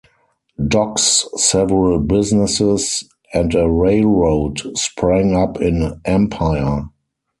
Docks, several businesses, and a railroad sprang up in Empire.